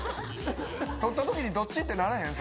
取った時に「どっち？」ってならへん？